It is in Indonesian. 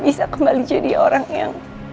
bisa kembali jadi orang yang